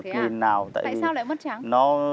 tại sao lại mất trắng